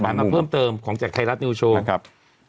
มาเพิ่มเติมของจากไทยรัฐนิวโชว์ครับ